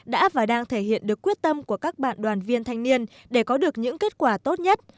đã và đang thể hiện được quyết tâm của các bạn đoàn viên thanh niên để có được những kết quả tốt nhất